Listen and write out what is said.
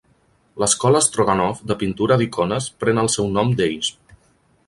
L'Escola Stroganov de pintura d'icones pren el seu nom d'ells.